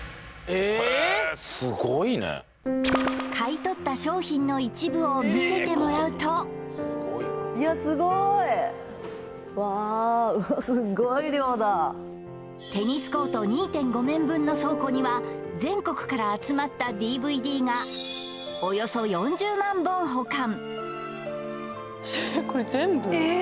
へえすごいね買い取った商品の一部を見せてもらうとうわテニスコート２．５面分の倉庫には全国から集まったＤＶＤがおよそ４０万本保管ええっ！？